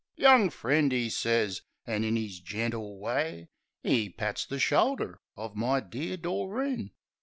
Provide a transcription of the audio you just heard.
"Young friend," 'e sez. An' in 'is gentle way, 'E pats the shoulder of my dear Doreen.